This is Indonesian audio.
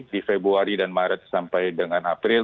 di februari dan maret sampai dengan april